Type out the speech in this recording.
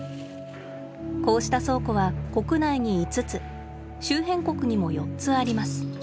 こうした倉庫は国内に５つ周辺国にも４つあります。